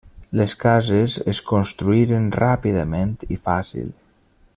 Les cases es construïren ràpidament i fàcil.